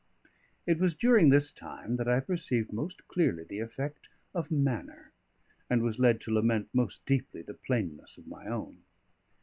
It was during this time that I perceived most clearly the effect of manner, and was led to lament most deeply the plainness of my own.